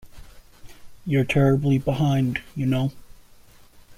You're terribly behind, you know.